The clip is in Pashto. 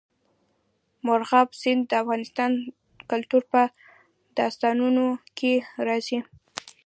مورغاب سیند د افغان کلتور په داستانونو کې راځي.